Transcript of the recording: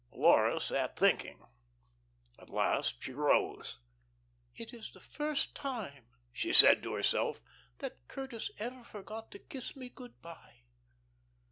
Laura sat thinking. At last she rose. "It is the first time," she said to herself, "that Curtis ever forgot to kiss me good by."